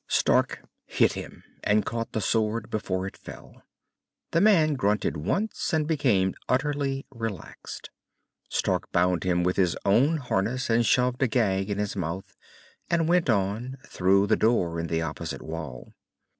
Stark hit him, and caught the sword before it fell. The man grunted once and became utterly relaxed. Stark bound him with his own harness and shoved a gag in his mouth, and went on, through the door in the opposite wall.